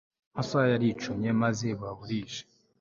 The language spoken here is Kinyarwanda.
Amasaha yaricumye maze buba burije